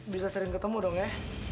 bisa sering ketemu dong ya